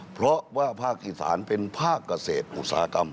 เพราะว่าภาคอีสานเป็นภาคเกษตรอุตสาหกรรม